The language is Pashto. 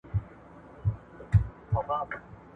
په کور کې د درس پر مهال.